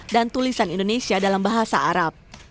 dan tulisan indonesia dalam bahasa arab